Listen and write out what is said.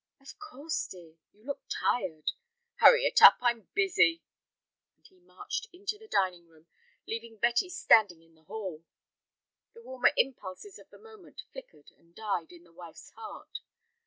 "Of course, dear; you look tired." "Hurry it up, I'm busy." And he marched into the dining room, leaving Betty standing in the hall. The warmer impulses of the moment flickered and died in the wife's heart.